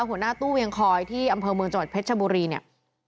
หัวหน้าตู้เวียงคอยที่อำเภอเมืองจังหวัดเพชรชบุรีเนี่ย